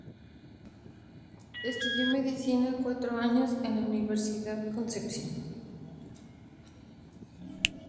Estudió medicina cuatro años en la Universidad de Concepción.